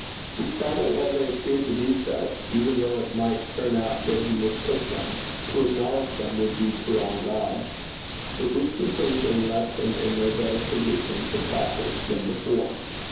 He saw that while they appeared to be such, even though it might turn out that he mistook them, to acknowledge them would be to wrong God. But this conclusion left him in no better position for practice than before.